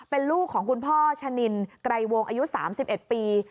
เป็นลูกของคุณพ่อชะนินไกรวงอายุ๓๑ปี